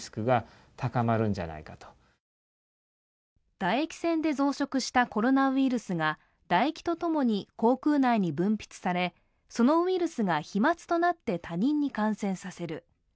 唾液腺で増殖したコロナウイルスが唾液とともに口腔内に分泌され、そのウイルスが飛まつとなって他人に感染させる。